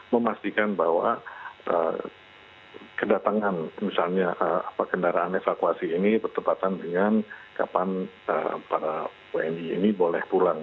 memastikan bahwa kedatangan misalnya kendaraan evakuasi ini bertepatan dengan kapan para wni ini boleh pulang